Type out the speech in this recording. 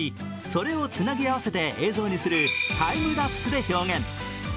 それをつなぎ合わせて映像にするタイムラプスで表現。